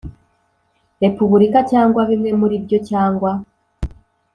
Repubulika cyangwa bimwe muri byo cyangwa